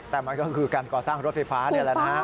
แต่มันก็คือการก่อสร้างรถไฟฟ้านี่แหละนะฮะ